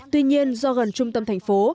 tuy nhiên do gần trung tâm thành phố